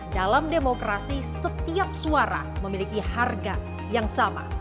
dalam demokrasi setiap suara memiliki harga yang sama